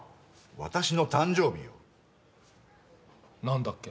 私の誕生日よ何だっけ？